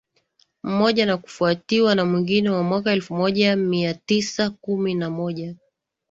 moja na kufuatiwa na mwingine wa mwaka elfu moja mia tisa kumi na moja